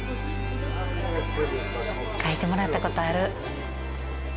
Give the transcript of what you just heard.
描いてもらったことある。